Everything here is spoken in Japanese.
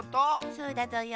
そうだぞよ。